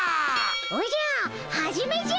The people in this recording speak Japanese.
おじゃ始めじゃ！